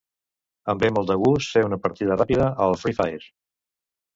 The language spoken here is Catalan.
Em ve molt de gust fer una partida ràpida al "Free fire".